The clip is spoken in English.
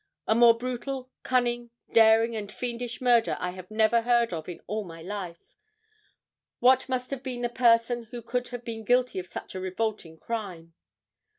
A more brutal, cunning, daring and fiendish murder I never heard of in all my life. What must have been the person who could have been guilty of such a revolting crime?